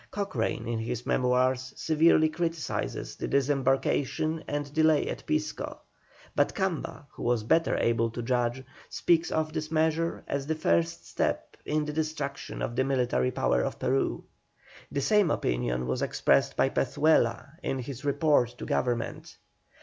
Cochrane in his Memoirs severely criticises the disembarkation and delay at Pisco, but Camba, who was better able to judge, speaks of this measure as the first step in the destruction of the military power of Peru. The same opinion was expressed by Pezuela in his report to Government.